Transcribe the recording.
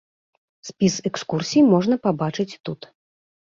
Спіс экскурсій можна пабачыць тут.